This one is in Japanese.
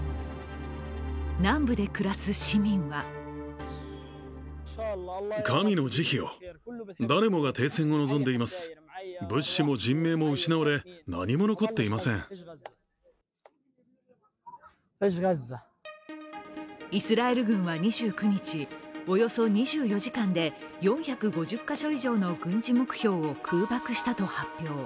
南部で暮らす市民はイスラエル軍は２９日、およそ２４時間で４５０か所以上の軍事目標を空爆したと発表。